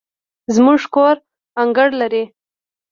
زموږ کور انګړ لري